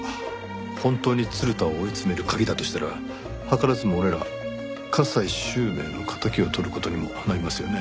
本当に鶴田を追い詰める鍵だとしたら図らずも俺ら加西周明の敵を取る事にもなりますよね。